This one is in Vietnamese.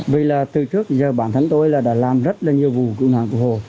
vì là từ trước giờ bản thân tôi là đã làm rất là nhiều vụ cựu nàn cựu hồ